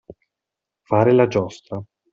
Fare la giostra.